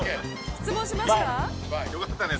「質問しました？」